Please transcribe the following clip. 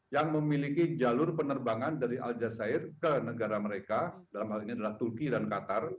yang memiliki jalur penerbangan dari al jazeera ke negara mereka dalam hal ini adalah turki dan qatar